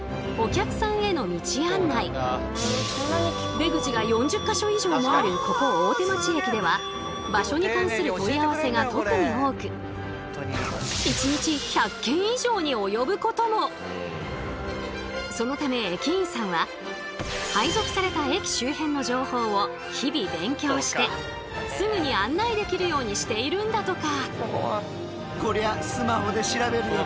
出口が４０か所以上もあるここ大手町駅では場所に関する問い合わせが特に多くそのため駅員さんは配属された駅周辺の情報を日々勉強してすぐに案内できるようにしているんだとか。